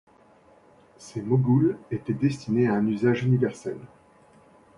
Ces Mogul étaient destinées à un usage universel.